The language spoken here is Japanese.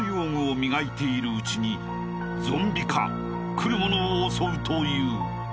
［来る者を襲うという］